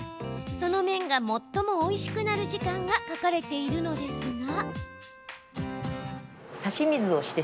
その麺が最もおいしくなる時間が書かれているのですが。